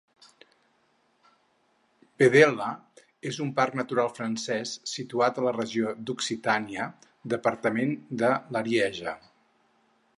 Vedelha és un parc natural francès, situat a la regió d'Occitània, departament de l'Arieja.